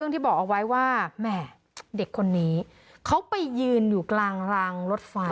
ที่บอกเอาไว้ว่าแหม่เด็กคนนี้เขาไปยืนอยู่กลางรางรถไฟ